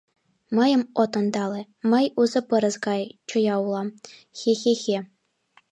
Мыйым от ондале: мый узо пырыс гай чоя улам, хе-хе-хе...